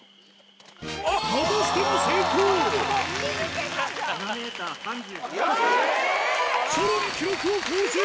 またしてもよし！